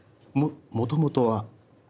もともとは。